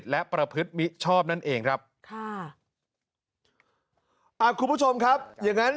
ไม่เชื่อ